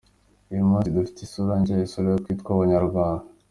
Uyu munsi dufite isura nshya, isura yo kwitwa ‘Abanyarwanda’.